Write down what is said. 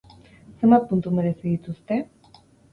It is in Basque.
Zenbat puntu merezi dituzte?